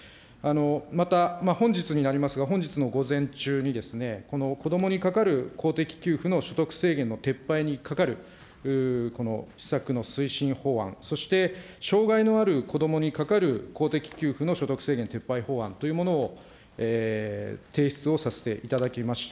また本日になりますが、本日の午前中に、子どもにかかる公的給付の所得制限の撤廃にかかる施策の推進法案、そして障害のある子どもにかかる公的給付の所得制限撤廃法案というものを提出をさせていただきました。